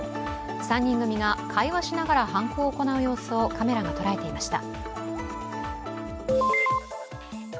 ３人組が会話しながら犯行を行う様子をカメラが捉えていました。